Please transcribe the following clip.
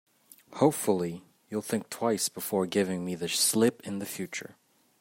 Hopefully, you'll think twice before giving me the slip in future.